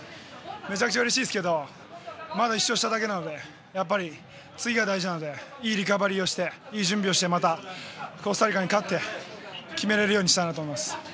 めちゃくちゃうれしいですけどまだ１勝しただけなのでやっぱり次が大事なのでいいリカバリーをしていい準備をしてまたコスタリカに勝って決めれるようにしたいと思います。